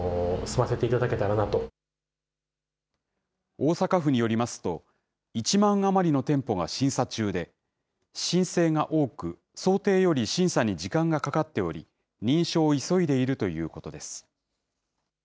大阪府によりますと、１万余りの店舗が審査中で、申請が多く想定より審査に時間がかかっており、認証を急いでいるということです。